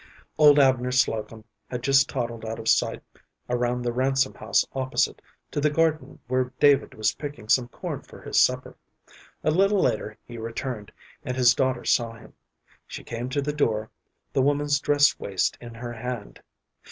Old Abner Slocum had just toddled out of sight around the Ransom house opposite, to the garden where David was picking some corn for his supper. A little later he returned, and his daughter saw him. She came to the door, the woman's dress waist in her hand.